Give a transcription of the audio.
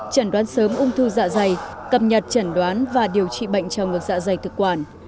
chẩn đoán sớm ung thư dạ dày cập nhật chẩn đoán và điều trị bệnh trong ngược dạ dày thực quản